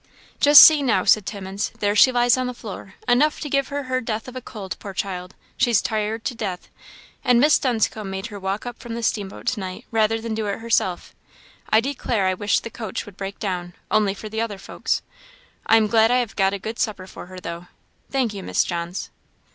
"Just see now!" said Timmins "there she lies on the floor enough to give her her death of cold; poor child! she's tired to death and Mrs. Dunscombe made her walk up from the steamboat to night, rather than do it herself; I declare I wished the coach would break down, only for the other folks. I am glad I have got a good supper for her, though thank you, Miss Johns."